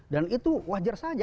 dan itu wajar saja